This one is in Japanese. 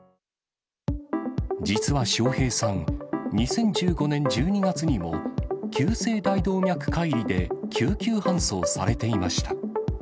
実は笑瓶さん、２０１５年１２月にも、急性大動脈解離で救急搬送されていました。